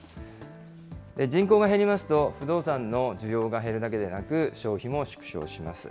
人口が減りますと、不動産の需要が減るだけでなく、消費も縮小します。